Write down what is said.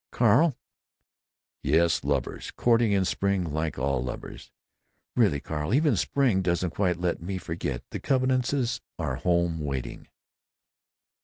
"Carl!" "Yes. Lovers. Courting. In spring. Like all lovers." "Really, Carl, even spring doesn't quite let me forget the convenances are home waiting."